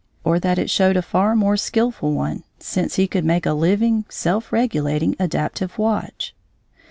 or that it showed a far more skillful one, since he could make a living, self regulating, adaptive watch?